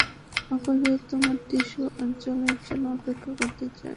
আপাতত, তোমার টিস্যু আর জলের জন্য অপেক্ষা করতে চাই।